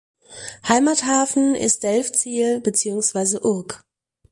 Heimathafen ist Delfzijl beziehungsweise Urk.